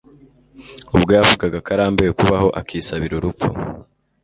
ubwo yavugaga ko arambiwe kubaho akisabira urupfu.